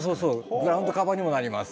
グラウンドカバーにもなります。